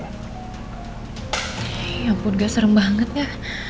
ya ampun ga serem banget ya